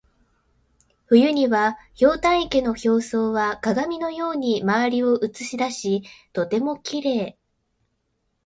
冬には、ひょうたん池の表層は鏡のように周りを写し出しとてもきれい。